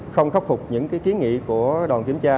không khắc phục những kiến nghị của đoàn kiểm tra